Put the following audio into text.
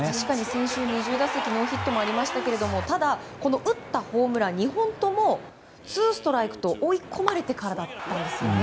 先週、２０打席ノーヒットもありましたけれどもただ、打ったホームラン２本ともツーストライクと追い込まれてからだったんですね。